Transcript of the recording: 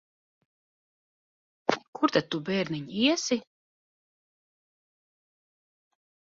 Kur tad tu, bērniņ, iesi?